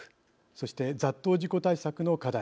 そして雑踏事故対策の課題